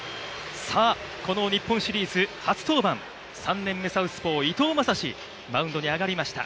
この日本シリーズ初登板、３年目伊藤将司、マウンドに上がりました